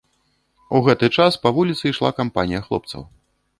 У гэты час па вуліцы ішла кампанія хлопцаў.